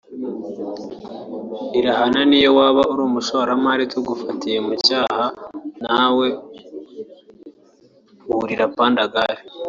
irahana n’iyo waba uri umushoramari tugufatiye mu cyaha nawe wurira panda gari